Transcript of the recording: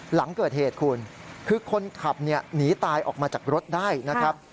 หลังเกิดเหตุคุณคือคนขับหนีตายออกมาจากรถได้นะครับ